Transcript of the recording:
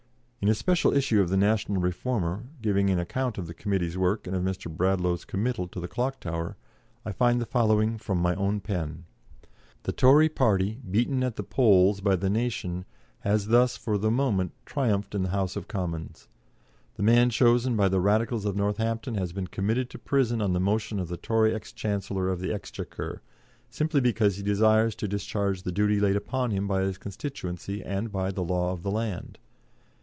In a special issue of the National Reformer, giving an account of the Committee's work and of Mr. Bradlaugh's committal to the Clock Tower, I find the following from my own pen: "The Tory party, beaten at the polls by the nation, has thus, for the moment, triumphed in the House of Commons. The man chosen by the Radicals of Northampton has been committed to prison on the motion of the Tory ex Chancellor of the Exchequer, simply because he desires to discharge the duty laid upon him by his constituency and by the law of the land.